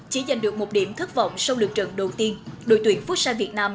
chỉ giành được một điểm thất vọng sau lượt trận đầu tiên đội tuyển phúc san việt nam